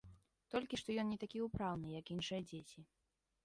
Толькі што ён не такі ўпраўны, як іншыя дзеці.